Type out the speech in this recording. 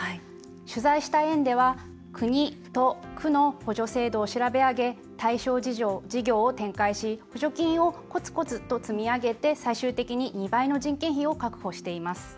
取材した園では国、都、区の補助制度を調べ上げ対象事業を展開し補助金をとこつこつ積み重ねて最終的に２倍の人件費を確保しています。